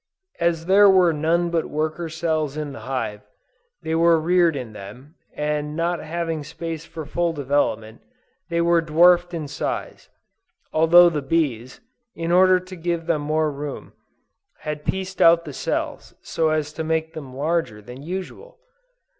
As there were none but worker cells in the hive, they were reared in them, and not having space for full development, they were dwarfed in size, although the bees, in order to give them more room, had pieced out the cells so as to make them larger than usual!